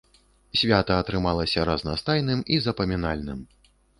Свята атрымалася разнастайным і запамінальным.